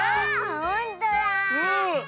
ほんとだ！